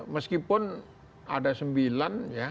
meskipun ada sembilan